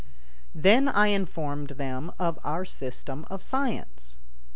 Then I informed them of our system of science.